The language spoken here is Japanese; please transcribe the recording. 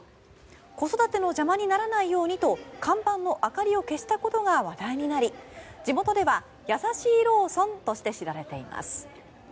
子育ての邪魔にならないようにと看板の明かりを消したことが話題になり地元では優しいローソンとして知られています。